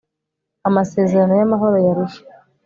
amasezerano y'amahoro y'arusha